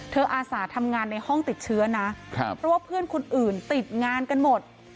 อาสาทำงานในห้องติดเชื้อนะเพราะว่าเพื่อนคนอื่นติดงานกันหมด